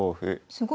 すごい。